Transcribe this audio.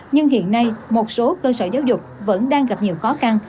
nhưng hiện nay một số cơ sở giáo dục vẫn đang gặp nhiều khó khăn